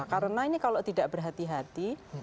karena ini kalau tidak berhati hati